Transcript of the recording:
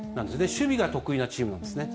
守備が得意なチームなんですね。